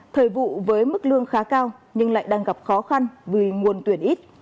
thời vụ với mức lương khá cao nhưng lại đang gặp khó khăn vì nguồn tuyển ít